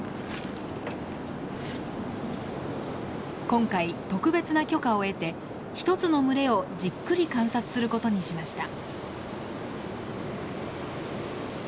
今回特別な許可を得て一つの群れをじっくり観察する事にしました。